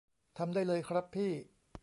ทำได้เลยครับพี่